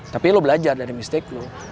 tapi lo belajar dari mistik lo